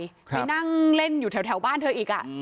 ไปนั่งเล่นอยู่แถวแถวบ้านเธออีกอ่ะอืม